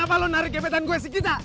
kenapa lo narik gebetan gue sih kita